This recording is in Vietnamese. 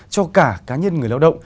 cho cả cá nhân người lao động